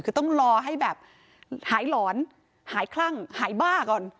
คือต้องรอให้แบบหายหลอนหายคลั่งหายบ้าก่อน